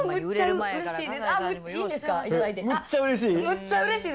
「むっちゃうれしい？」